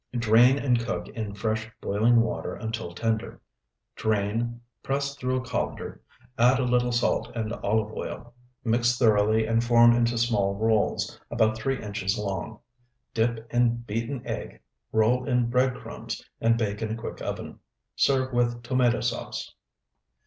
Drain and cook in fresh boiling water until tender. Drain, press through a colander, add a little salt and olive oil. Mix thoroughly and form into small rolls about three inches long. Dip in beaten egg, roll in bread crumbs, and bake in a quick oven. Serve with tomato sauce.